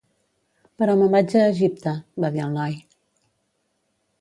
"Però me'n vaig a Egipte", va dir el noi.